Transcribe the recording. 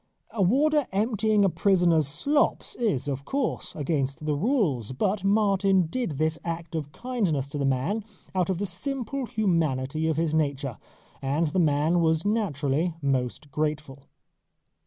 A warder emptying a prisoner's slops is, of course, against the rules, but Martin did this act of kindness to the man out of the simple humanity of his nature, and the man was naturally most grateful.